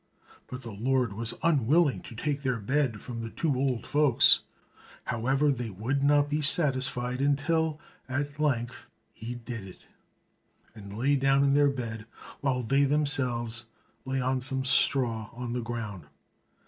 But the Lord was unwilling to take their bed from the two old folks; however, they would not be satisfied, until at length he did it and lay down in their bed, while they themselves lay on some straw on the ground.